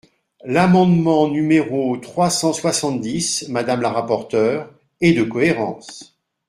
L’amendement numéro trois cent soixante-dix, madame la rapporteure, est de cohérence.